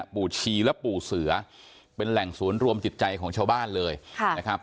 ชีและปู่เสือเป็นแหล่งศูนย์รวมจิตใจของชาวบ้านเลยนะครับ